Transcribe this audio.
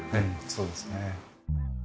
そうですね。